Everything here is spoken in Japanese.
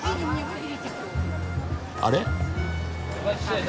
あれ？